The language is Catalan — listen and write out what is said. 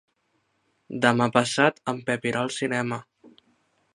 Demà passat en Pep irà al cinema.